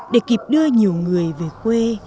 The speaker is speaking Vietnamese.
để kịp đưa nhiều người về quê